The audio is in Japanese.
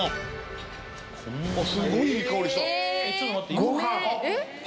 すごいいい香りした！え！